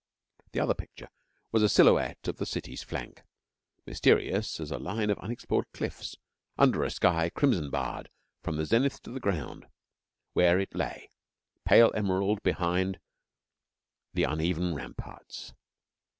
The other picture was a silhouette of the city's flank, mysterious as a line of unexplored cliffs, under a sky crimson barred from the zenith to the ground, where it lay, pale emerald behind the uneven ramparts.